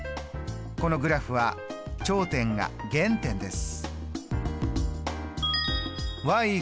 このグラフは頂点が原点です。